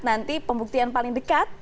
nanti pembuktian paling dekat